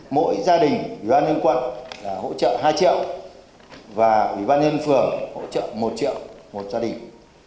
mỗi gia đình vị văn nhân quận đã hỗ trợ hai triệu và vị văn nhân phường hỗ trợ một triệu một gia đình